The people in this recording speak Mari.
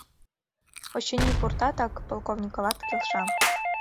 — Очыни, пуртатак, — Полковниковат келша.